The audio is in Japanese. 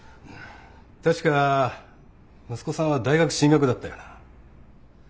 確か息子さんは大学進学だったよな？